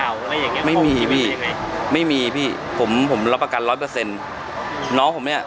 อะไรอย่างเงี้ยไม่มีพี่ไม่มีพี่ผมรับประกัน๑๐๐น้องผมเนี้ย